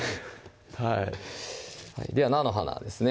はいでは菜の花ですね